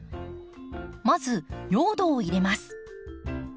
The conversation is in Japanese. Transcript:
まず用土を入れます。